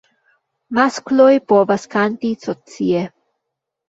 Maskloj povas kanti socie.